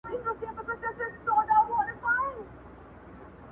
خلک دې ټول له ما پوښتنې کوي